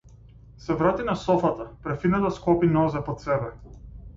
Се врати на софата, префинето склопи нозе под себе.